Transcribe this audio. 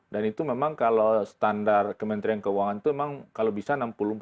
dan itu memang kalau standar kementerian keuangan itu memang kalau bisa enam puluh empat puluh